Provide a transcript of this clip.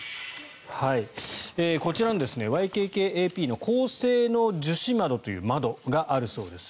こちらのＹＫＫＡＰの高性能樹脂窓という窓があるそうです。